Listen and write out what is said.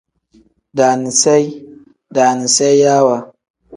Daaniseyi pl: daaniseyiwa n.